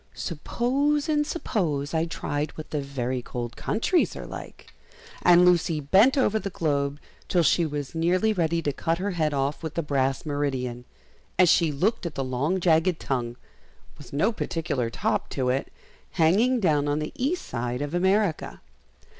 "SUPPOSE and suppose I tried what the very cold countries are like!" And Lucy bent over the globe till she was nearly ready to cut her head off with the brass meridian, as she looked at the long jagged tongue, with no particular top to it, hanging down on the east side of America.